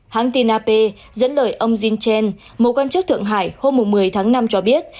hãng tin ap dẫn lời ông jin chen một quan chức thượng hải hôm một mươi tháng năm cho biết